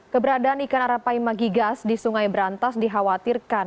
keberadaan ikan arapaima gigas di sungai berantas dikhawatirkan